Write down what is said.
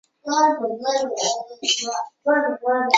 乘坐汽车进入雷丁山国家公园需购买门票。